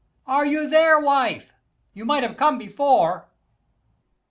_ Are you, there, wife? you might have come before.